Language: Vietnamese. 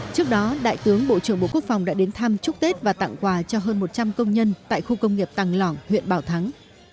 trước đó đại tướng bộ trưởng bộ quốc phòng đã đến thăm chúc tết và tặng quà cho hơn một trăm linh công nhân tại khu công nghiệp tàng lỏng huyện bảo thắng